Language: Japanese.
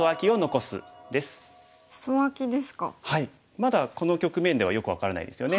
まだこの局面ではよく分からないですよね。